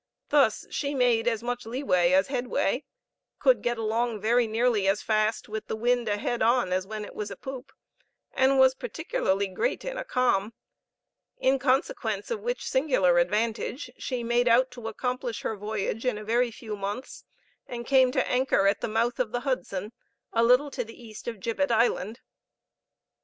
Thus she made as much leeway as headway, could get along very nearly as fast with the wind a head as when it was a poop, and was particularly great in a calm; in consequence of which singular advantage she made out to accomplish her voyage in a very few months, and came to anchor at the mouth of the Hudson, a little to the east of Gibbet Island.